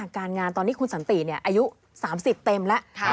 การงานตอนนี้คุณสันติอายุ๓๐เต็มแล้ว